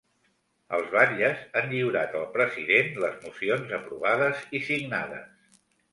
Els batlles han lliurat al president les mocions aprovades i signades.